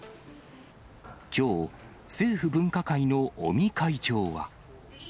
きょう、政府分科会の尾身会長は。